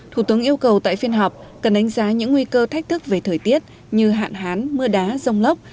thủ tướng yêu cầu tại phiên họp cần đánh giá những nguy cơ thách thức về thời tiết như hạn hán mưa đá rông lốc